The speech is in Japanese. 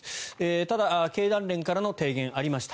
ただ、経団連からの提言がありました。